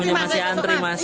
mas ini masih antri mas